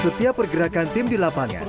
setiap pergerakan tim di lapangan